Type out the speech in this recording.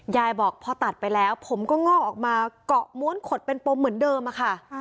ยายบอกพอตัดไปแล้วผมก็งอกออกมาเกาะม้วนขดเป็นปมเหมือนเดิมอะค่ะ